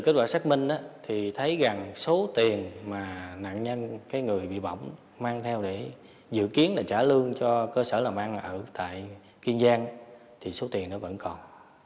kết quả xác minh thì thấy rằng số tiền mà nạn nhân cái người bị bỏng mang theo để dự kiến là trả lương cho cơ sở làm ăn ở tại kiên giang thì số tiền nó vẫn còn